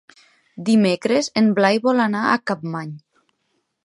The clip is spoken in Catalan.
Dimecres en Blai vol anar a Capmany.